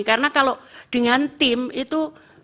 karena kalau dengan tim itu